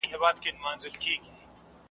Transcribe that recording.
کوډي جادو او منترونه لیکي .